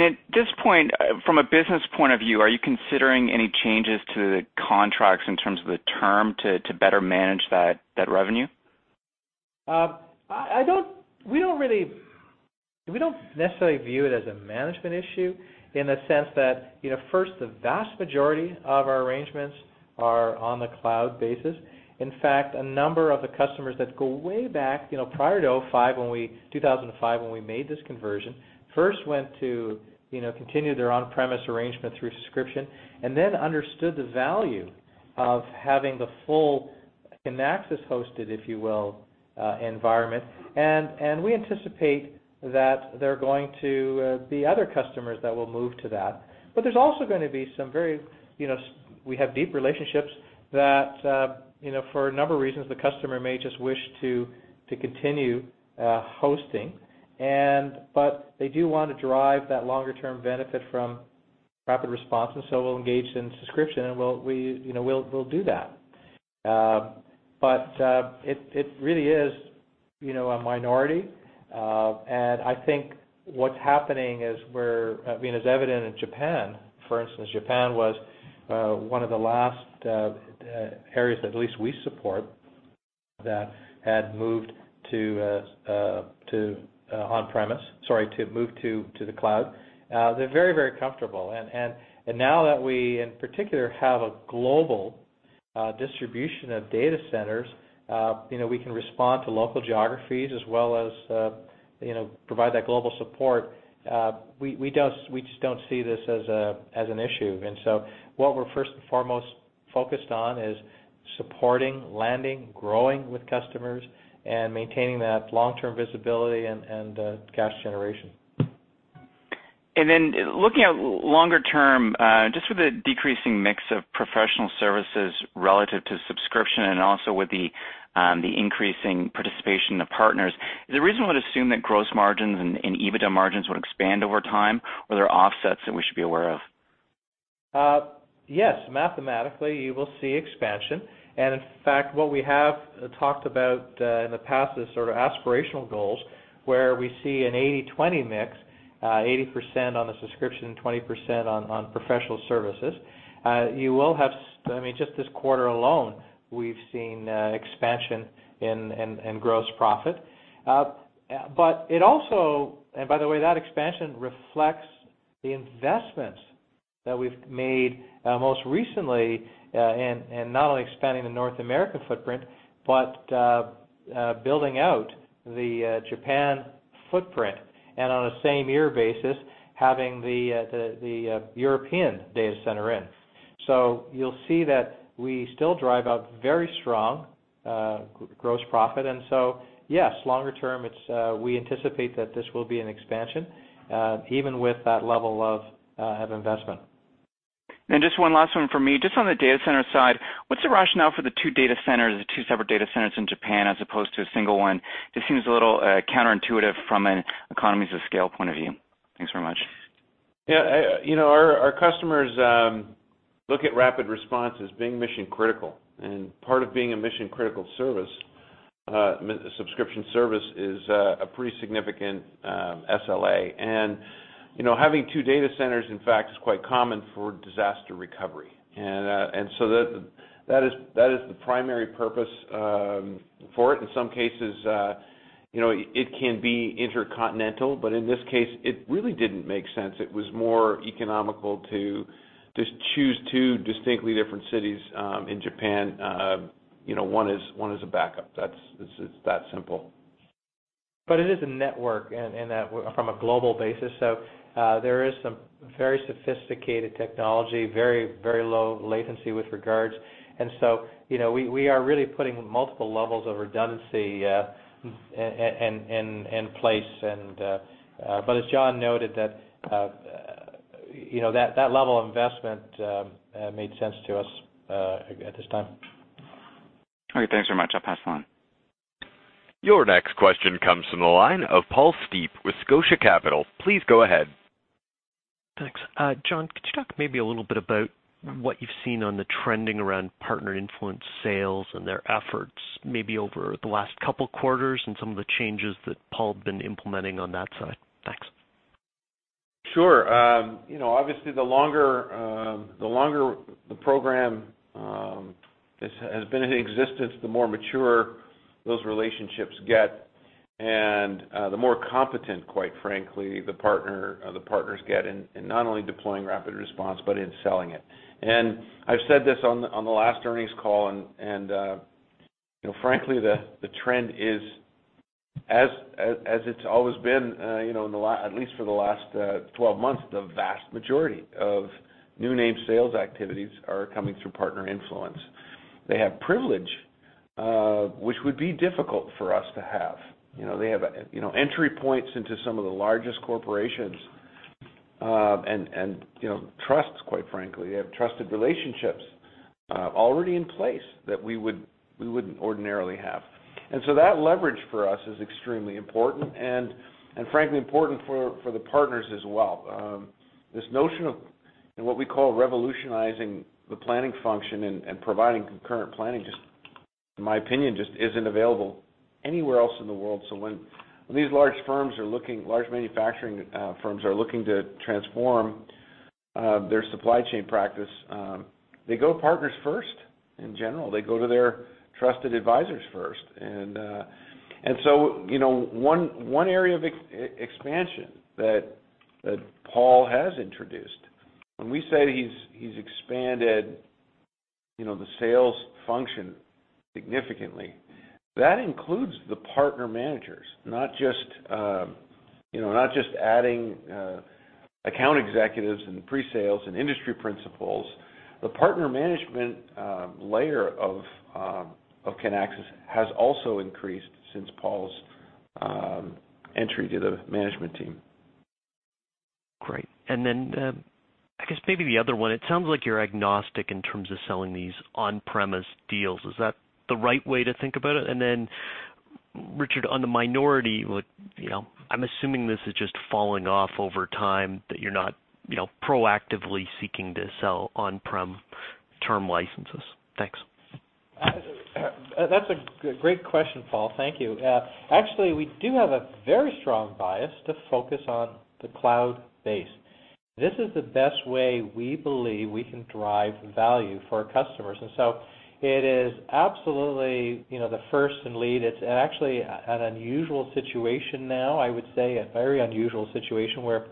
At this point, from a business point of view, are you considering any changes to the contracts in terms of the term to better manage that revenue? We don't necessarily view it as a management issue in the sense that first, the vast majority of our arrangements are on the cloud basis. In fact, a number of the customers that go way back, prior to 2005, when we made this conversion, first went to continue their on-premise arrangement through subscription, and then understood the value of having the full Kinaxis-hosted, if you will, environment. We anticipate that there are going to be other customers that will move to that. There's also going to be some. We have deep relationships that, for a number of reasons, the customer may just wish to continue hosting. They do want to drive that longer-term benefit from RapidResponse, and so we'll engage in subscription, and we'll do that. It really is a minority. I think what's happening is evident in Japan, for instance. Japan was one of the last areas that at least we support that had moved to the cloud. They're very, very comfortable. Now that we, in particular, have a global distribution of data centers, we can respond to local geographies as well as provide that global support. We just don't see this as an issue. What we're first and foremost focused on is supporting, landing, growing with customers, and maintaining that long-term visibility and cash generation. Looking at longer term, just with the decreasing mix of professional services relative to subscription, also with the increasing participation of partners, is the reason we'd assume that gross margins and EBITDA margins would expand over time, or there are offsets that we should be aware of? Yes, mathematically, you will see expansion. In fact, what we have talked about in the past is sort of aspirational goals, where we see an 80/20 mix, 80% on a subscription, 20% on professional services. Just this quarter alone, we've seen expansion in gross profit. By the way, that expansion reflects the investments that we've made most recently in not only expanding the North America footprint, but building out the Japan footprint. On a same year basis, having the European data center in. You'll see that we still drive out very strong gross profit. Yes, longer term, we anticipate that this will be an expansion, even with that level of investment. Just one last one from me. Just on the data center side, what's the rationale for the two separate data centers in Japan as opposed to a single one? Just seems a little counterintuitive from an economies of scale point of view. Thanks very much. Our customers look at RapidResponse as being mission-critical, and part of being a mission-critical subscription service is a pretty significant SLA. Having two data centers, in fact, is quite common for disaster recovery. That is the primary purpose for it. In some cases, it can be intercontinental, but in this case, it really didn't make sense. It was more economical to just choose two distinctly different cities in Japan. One is a backup. It's that simple. It is a network, and from a global basis, there is some very sophisticated technology, very low latency with regards. So, we are really putting multiple levels of redundancy in place. As John noted, that level of investment made sense to us at this time. Okay, thanks very much. I'll pass it on. Your next question comes from the line of Paul Steep with Scotia Capital. Please go ahead. Thanks. John, could you talk maybe a little bit about what you've seen on the trending around partner-influenced sales and their efforts, maybe over the last couple quarters, and some of the changes that Paul had been implementing on that side? Thanks. Sure. Obviously the longer the program has been in existence, the more mature those relationships get and the more competent, quite frankly, the partners get in not only deploying RapidResponse, but in selling it. I've said this on the last earnings call, and frankly, the trend is, as it's always been, at least for the last 12 months, the vast majority of new name sales activities are coming through partner influence. They have privilege, which would be difficult for us to have. They have entry points into some of the largest corporations, and trusts, quite frankly. They have trusted relationships already in place that we wouldn't ordinarily have. That leverage for us is extremely important and frankly important for the partners as well. This notion of what we call revolutionizing the planning function and providing concurrent planning, in my opinion, just isn't available anywhere else in the world. When these large manufacturing firms are looking to transform their supply chain practice, they go partners first, in general. They go to their trusted advisors first. One area of expansion that Paul has introduced. When we say he's expanded the sales function significantly, that includes the partner managers, not just adding account executives and the pre-sales and industry principals. The partner management layer of Kinaxis has also increased since Paul's entry to the management team. Great. I guess maybe the other one, it sounds like you're agnostic in terms of selling these on-premise deals. Is that the right way to think about it? Richard, on the minority, I'm assuming this is just falling off over time, that you're not proactively seeking to sell on-prem term licenses. Thanks. That's a great question, Paul. Thank you. Actually, we do have a very strong bias to focus on the cloud base. This is the best way we believe we can drive value for our customers. It is absolutely, the first and lead, it's actually an unusual situation now, I would say, a very unusual situation where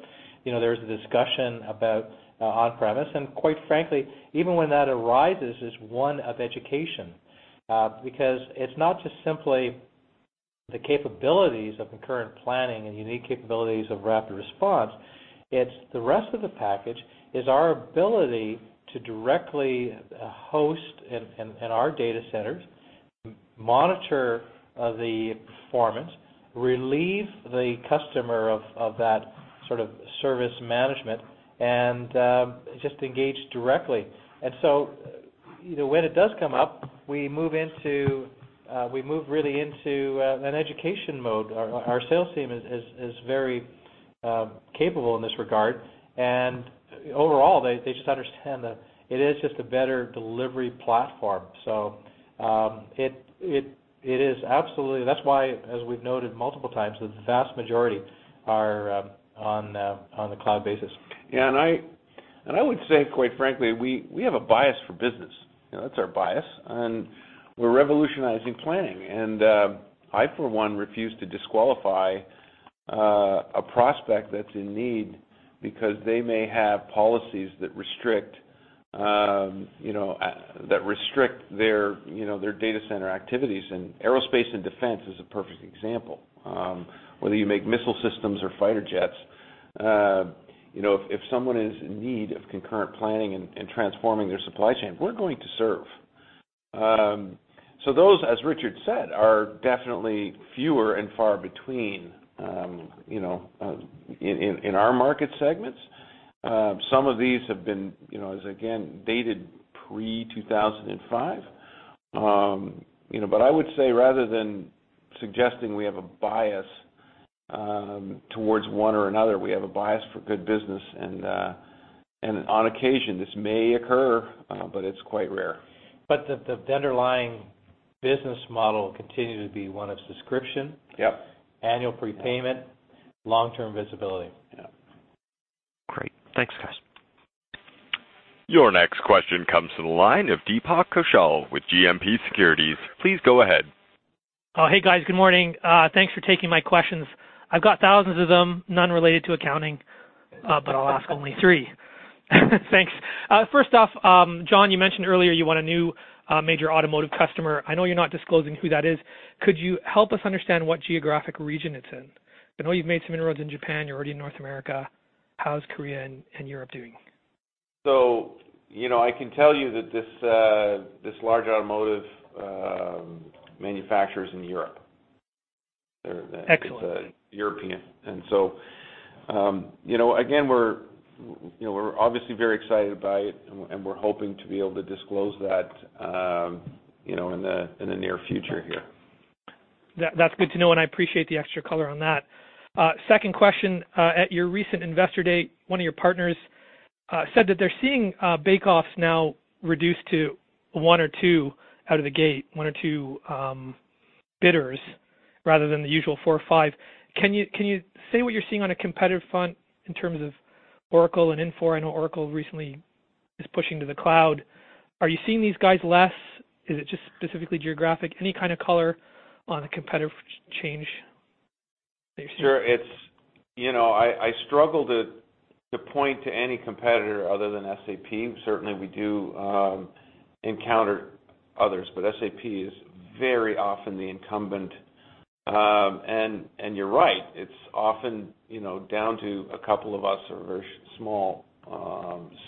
there's a discussion about on-premise, and quite frankly, even when that arises, it's one of education. Because it's not just simply the capabilities of concurrent planning and unique capabilities of RapidResponse, it's the rest of the package, is our ability to directly host in our data centers, monitor the performance, relieve the customer of that sort of service management, and just engage directly. When it does come up, we move really into an education mode. Our sales team is very capable in this regard, overall they just understand that it is just a better delivery platform. It is absolutely That's why, as we've noted multiple times, that the vast majority are on the cloud basis. I would say, quite frankly, we have a bias for business. That's our bias, we're revolutionizing planning. I for one, refuse to disqualify a prospect that's in need because they may have policies that restrict their data center activities. Aerospace and defense is a perfect example. Whether you make missile systems or fighter jets, if someone is in need of concurrent planning and transforming their supply chain, we're going to serve. Those, as Richard said, are definitely fewer and far between, in our market segments. Some of these have been, as again, dated pre-2005. I would say rather than suggesting we have a bias towards one or another, we have a bias for good business, and on occasion, this may occur, but it's quite rare. The underlying business model will continue to be one of subscription- Yep annual prepayment, long-term visibility. Yeah. Great. Thanks, guys. Your next question comes to the line of Deepak Kaushal with GMP Securities. Please go ahead. Hey, guys. Good morning. Thanks for taking my questions. I've got thousands of them, none related to accounting. I'll ask only three. Thanks. First off, John, you mentioned earlier you want a new major automotive customer. I know you're not disclosing who that is. Could you help us understand what geographic region it's in? I know you've made some inroads in Japan. You're already in North America. How's Korea and Europe doing? I can tell you that this large automotive manufacturer's in Europe. Excellent. It's European. Again, we're obviously very excited about it, and we're hoping to be able to disclose that in the near future here. That's good to know, and I appreciate the extra color on that. Second question. At your recent Investor Day, one of your partners said that they're seeing bake-offs now reduced to one or two out of the gate, one or two bidders rather than the usual four or five. Can you say what you're seeing on a competitive front in terms of Oracle and Infor? I know Oracle recently is pushing to the cloud. Are you seeing these guys less? Is it just specifically geographic? Any kind of color on the competitive change that you're seeing? Sure. I struggle to point to any competitor other than SAP. Certainly, we do encounter others, but SAP is very often the incumbent. You're right, it's often down to a couple of us or a very small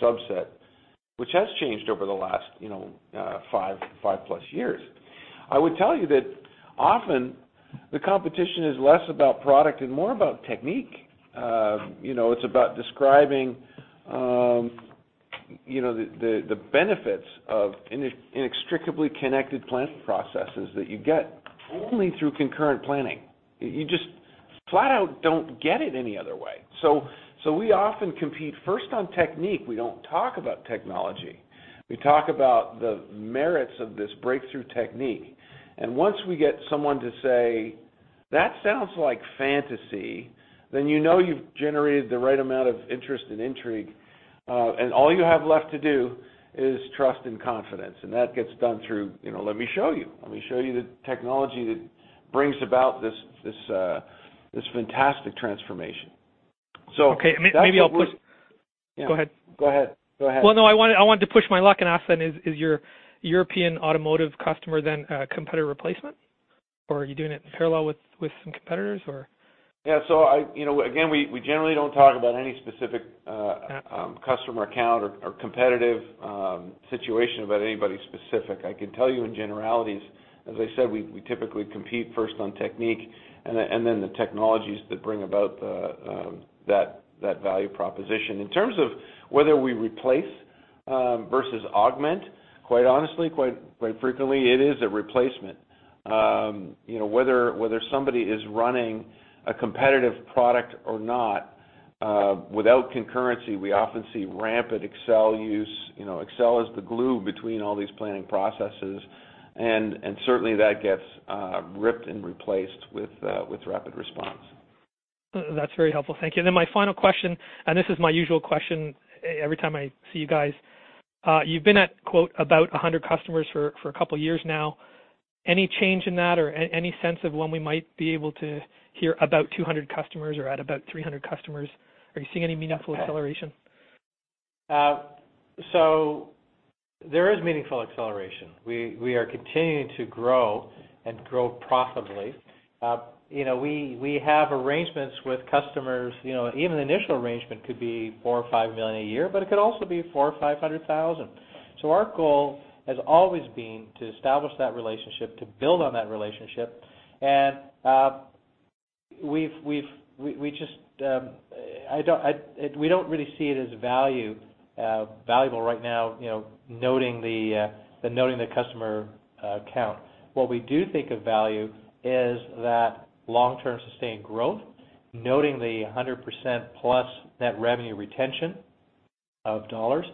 subset, which has changed over the last five-plus years. I would tell you that often the competition is less about product and more about technique. It's about describing the benefits of inextricably connected planning processes that you get only through concurrent planning. You just flat out don't get it any other way. We often compete first on technique. We don't talk about technology. We talk about the merits of this breakthrough technique. Once we get someone to say "That sounds like fantasy," you know you've generated the right amount of interest and intrigue, and all you have left to do is trust and confidence. That gets done through, "Let me show you. Let me show you the technology that brings about this fantastic transformation. Okay, maybe I'll push-. Yeah. Go ahead. Go ahead. Well, no, I wanted to push my luck and ask then, is your European automotive customer then a competitor replacement? Are you doing it in parallel with some competitors, or? Yeah. Again, we generally don't talk about any specific. Yeah Customer account or competitive situation about anybody specific. I can tell you in generalities, as I said, we typically compete first on technique and then the technologies that bring about that value proposition. In terms of whether we replace versus augment, quite honestly, quite frequently it is a replacement. Whether somebody is running a competitive product or not, without concurrency, we often see rampant Excel use. Excel is the glue between all these planning processes, and certainly, that gets ripped and replaced with RapidResponse. That's very helpful, thank you. My final question, and this is my usual question every time I see you guys. You've been at quote, about 100 customers for a couple of years now. Any change in that, or any sense of when we might be able to hear about 200 customers or at about 300 customers? Are you seeing any meaningful acceleration? There is meaningful acceleration. We are continuing to grow and grow profitably. We have arrangements with customers, even the initial arrangement could be $4 million or $5 million a year, but it could also be $400 thousand or $500 thousand. Our goal has always been to establish that relationship, to build on that relationship. We don't really see it as valuable right now, noting the customer count. What we do think of value is that long-term sustained growth, noting the 100%-plus net revenue retention of dollars,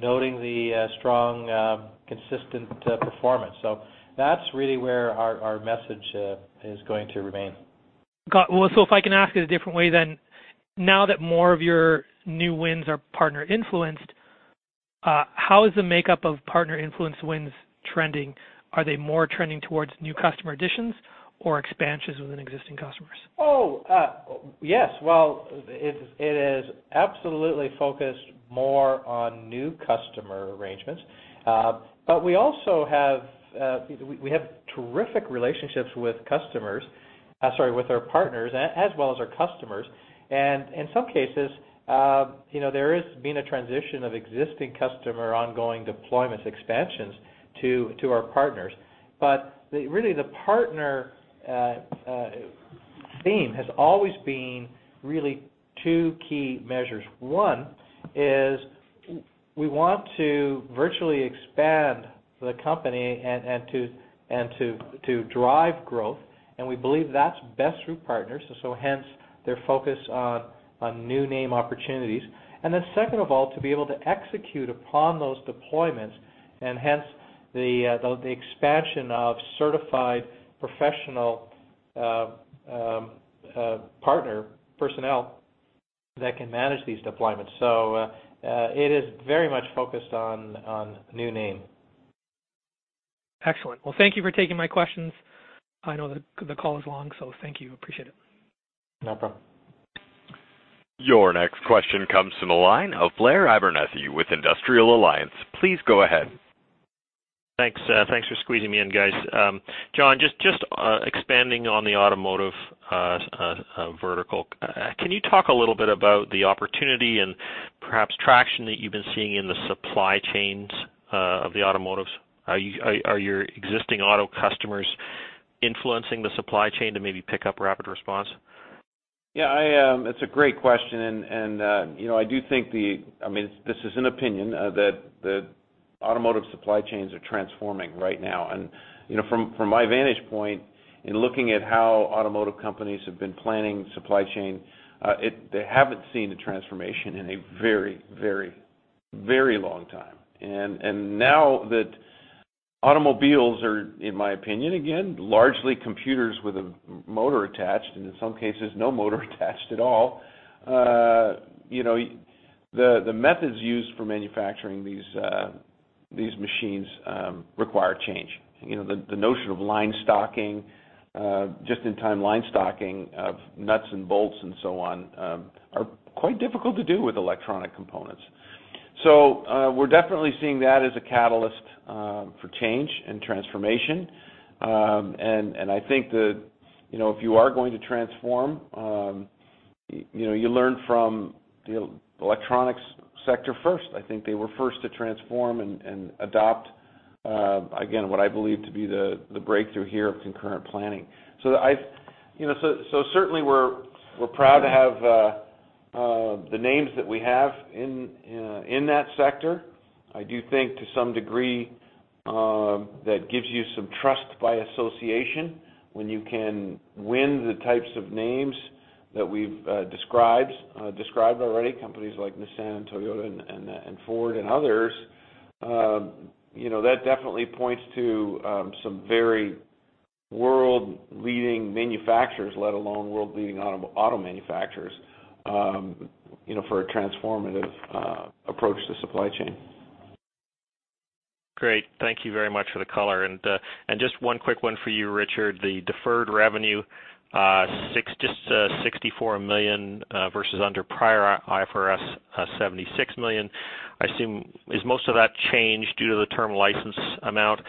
noting the strong, consistent performance. That's really where our message is going to remain. Got. If I can ask it a different way. Now that more of your new wins are partner-influenced, how is the makeup of partner-influenced wins trending? Are they more trending towards new customer additions or expansions within existing customers? It is absolutely focused more on new customer arrangements. We also have terrific relationships with our partners, as well as our customers, and in some cases, there has been a transition of existing customer ongoing deployments expansions to our partners. The partner theme has always been two key measures. One is we want to virtually expand the company and to drive growth, and we believe that's best through partners, so hence their focus on new name opportunities. Second of all, to be able to execute upon those deployments, and hence the expansion of certified professional partner personnel that can manage these deployments. It is very much focused on new name. Excellent. Thank you for taking my questions. I know the call is long, thank you. Appreciate it. No problem. Your next question comes from the line of Blair Abernethy with Industrial Alliance. Please go ahead. Thanks for squeezing me in, guys. John, just expanding on the automotive vertical, can you talk a little bit about the opportunity and perhaps traction that you've been seeing in the supply chains of the automotives? Are your existing auto customers influencing the supply chain to maybe pick up RapidResponse? Yeah. It's a great question. This is an opinion, that automotive supply chains are transforming right now. From my vantage point, in looking at how automotive companies have been planning supply chain, they haven't seen a transformation in a very long time. Now that automobiles are, in my opinion again, largely computers with a motor attached, and in some cases, no motor attached at all, the methods used for manufacturing these machines require change. The notion of line stocking, just-in-time line stocking of nuts and bolts and so on, are quite difficult to do with electronic components. We're definitely seeing that as a catalyst for change and transformation. I think that if you are going to transform, you learn from the electronics sector first. I think they were first to transform and adopt, again, what I believe to be the breakthrough here of concurrent planning. Certainly, we're proud to have the names that we have in that sector. I do think, to some degree, that gives you some trust by association, when you can win the types of names that we've described already, companies like Nissan and Toyota and Ford and others. That definitely points to some very world-leading manufacturers, let alone world-leading auto manufacturers, for a transformative approach to supply chain. Great. Thank you very much for the color. Just one quick one for you, Richard. The deferred revenue, just $64 million versus under prior IFRS, $76 million. I assume, is most of that change due to the term license amount?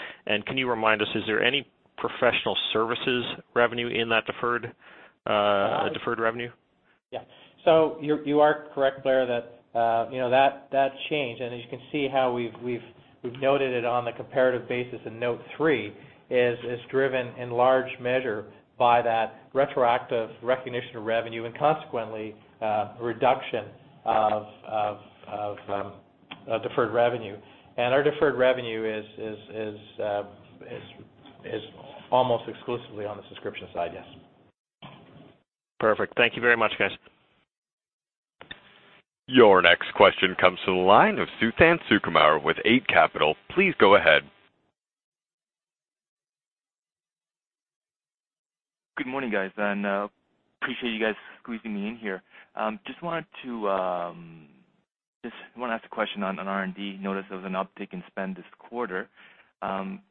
Can you remind us, is there any professional services revenue in that deferred revenue? You are correct, Blair, that change, and as you can see how we've noted it on the comparative basis in note three, is driven in large measure by that retroactive recognition of revenue and consequently, a reduction of deferred revenue. Our deferred revenue is almost exclusively on the subscription side, yes. Perfect. Thank you very much, guys. Your next question comes to the line of Suthan Sukumar with Eight Capital. Please go ahead. Good morning, guys. Appreciate you guys squeezing me in here. Just wanted to ask a question on R&D. Noticed there was an uptick in spend this quarter. Kind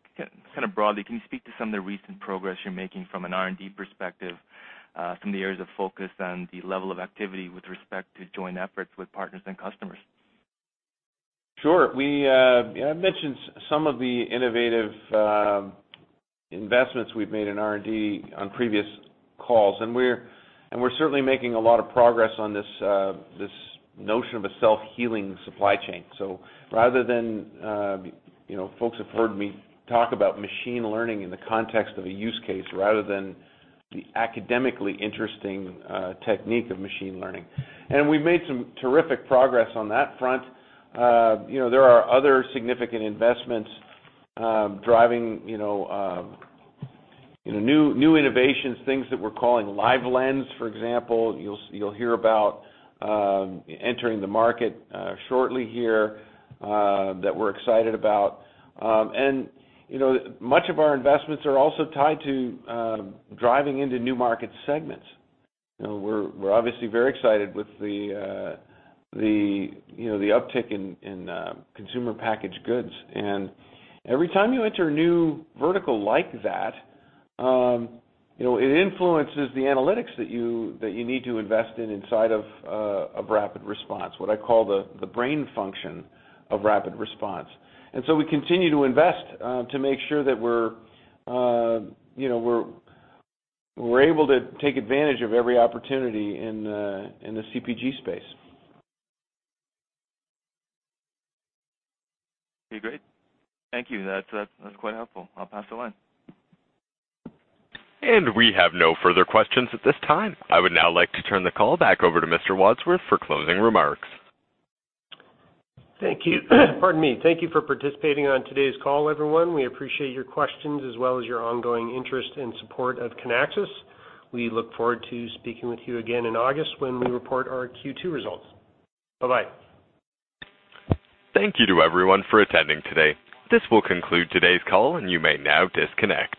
of broadly, can you speak to some of the recent progress you're making from an R&D perspective, some of the areas of focus and the level of activity with respect to joint efforts with partners and customers? Sure. I've mentioned some of the innovative investments we've made in R&D on previous calls. We're certainly making a lot of progress on this notion of a self-healing supply chain. Folks have heard me talk about machine learning in the context of a use case rather than the academically interesting technique of machine learning. We've made some terrific progress on that front. There are other significant investments driving new innovations, things that we're calling Live Lens, for example. You'll hear about entering the market shortly here that we're excited about. Much of our investments are also tied to driving into new market segments. We're obviously very excited with the uptick in consumer packaged goods. Every time you enter a new vertical like that, it influences the analytics that you need to invest in inside of RapidResponse, what I call the brain function of RapidResponse. We continue to invest to make sure that we're able to take advantage of every opportunity in the CPG space. Okay, great. Thank you. That's quite helpful. I'll pass the line. We have no further questions at this time. I would now like to turn the call back over to Mr. Wadsworth for closing remarks. Thank you. Pardon me. Thank you for participating on today's call, everyone. We appreciate your questions as well as your ongoing interest and support of Kinaxis. We look forward to speaking with you again in August when we report our Q2 results. Bye-bye. Thank you to everyone for attending today. This will conclude today's call, and you may now disconnect.